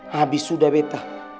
habis sudah beta